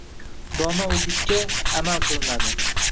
Dono oʻgitga amal qilinadi.